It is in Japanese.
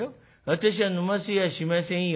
『私は飲ませやしませんよ』。